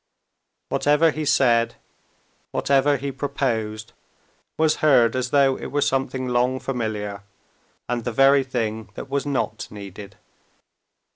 Whatever he said, whatever he proposed, was heard as though it were something long familiar, and the very thing that was not needed.